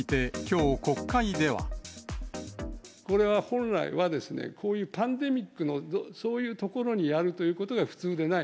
これは本来は、こういうパンデミックの、そういうところにやるということが普通でない。